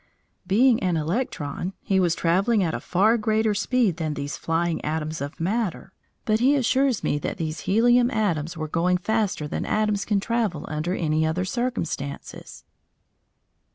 Being an electron, he was travelling at a far greater speed than these flying atoms of matter, but he assures me that these helium atoms were going faster than atoms can travel under any other circumstances.